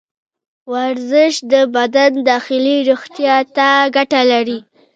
ورزش د بدن داخلي روغتیا ته ګټه لري.